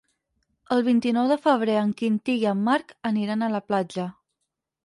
El vint-i-nou de febrer en Quintí i en Marc aniran a la platja.